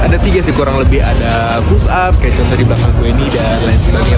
ada tiga sih kurang lebih ada push up kayak contoh di belakang gue ini dan lain sebagainya